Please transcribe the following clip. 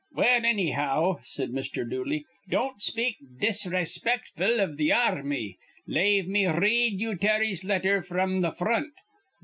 "Well, annyhow," said Mr. Dooley, "don't speak disrayspictful iv th' ar rmy. Lave me r read you Terry's letter fr'm th' fr ront.